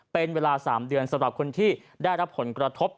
เป็นเวลา๓เดือนสำหรับคนที่ได้รับผลกระทบ